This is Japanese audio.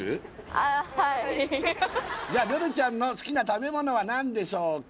あはいじゃ瑠々ちゃんの好きな食べ物は何でしょうか？